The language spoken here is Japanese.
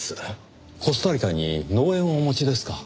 コスタリカに農園をお持ちですか。